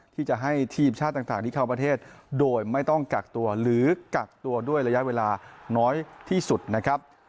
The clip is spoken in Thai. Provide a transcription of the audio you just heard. ที่จะให้ทีมชาติต่างที่เข้าประเทศโดยไม่ต้องกักตัวหรือกักตัวด้วยระยะเวลาน้อยที่สุดนะครับ